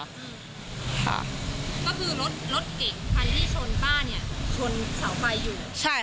ก็คือรถรถเก่งใครที่ชนป้าเนี่ยชนเสาไฟอยู่